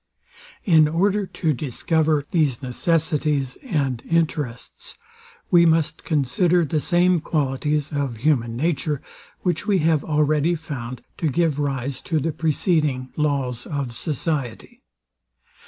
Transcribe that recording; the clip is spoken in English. In order to discover these necessities and interests, we must consider the same qualities of human nature, which we have already found to give rise to the preceding laws of society.